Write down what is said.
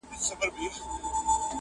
نه مرهم مي دي لیدلي نه مي څرک د طبیبانو٫